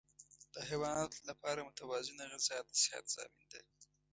د حیواناتو لپاره متوازنه غذا د صحت ضامن ده.